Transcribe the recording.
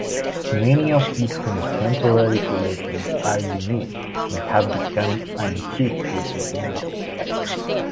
Many of his contemporary collections are unique and have become antique pieces now.